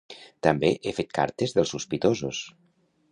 També he fet cartes dels sospitosos.